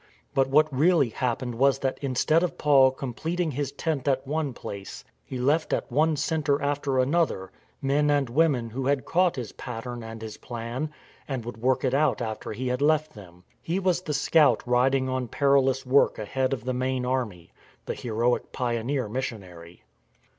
But what really happened was that instead of Paul completing his tent at one place, he left at one centre after another men and women who had caught his pattern and his plan and would work it out after he had left them. He was the scout riding on perilous work ahead of the main army; the heroic pioneer missionary.